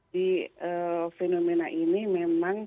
di fenomena ini memang